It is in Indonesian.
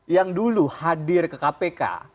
yang dulu hadir ke kpk